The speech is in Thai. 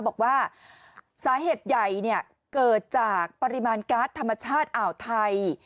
บอกว่าสาเหตุใหญ่เกิดจากปริมาณการ์ดธรรมชาติอ่าวไทย